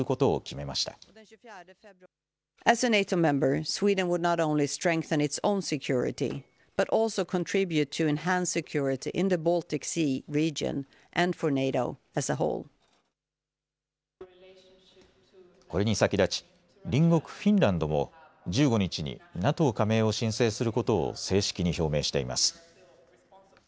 これに先立ち隣国フィンランドも１５日にＮＡＴＯ加盟を申請することを正式に表明しています。